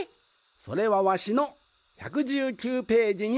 それはわしの１１９ページに。